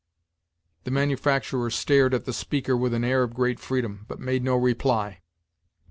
The manufacturer stared at the speaker with an air of great freedom, but made no reply.